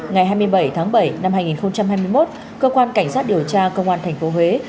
ngày hai mươi bảy tháng bảy năm hai nghìn hai mươi một cơ quan cảnh sát điều tra công an tp huế